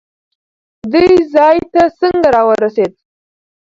دې ځای ته څنګه راورسېد؟